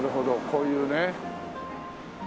こういうね。